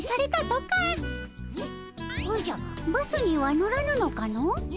おじゃバスには乗らぬのかの？